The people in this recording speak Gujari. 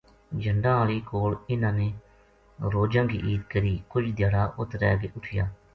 جھَنڈاں ہالی کول اِنھاں نے روجاں کی عید کری کُجھ دھیاڑا اُت رہ کے اُٹھیا